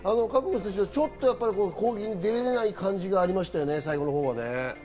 韓国の選手はちょっと攻撃に出られない感じがありましたね、最後のほうは。